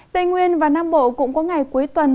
tây nguyên và nam bộ cũng có ngày cuối tuần